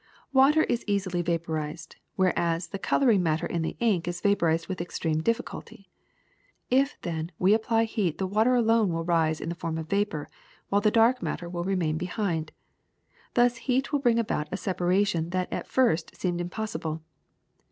Water is easily vaporized, whereas the coloring matter in the ink is vaporized with extreme difficulty. If, then, we apply heat the water alone will rise in the form of vapor, while the dark matter will remain behind. Thus heat will bring about a separation that at first seemed impossible.